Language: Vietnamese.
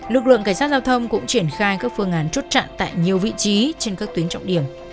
lực lượng cảnh sát giao thông cũng triển khai các phương án chốt chặn tại nhiều vị trí trên các tuyến trọng điểm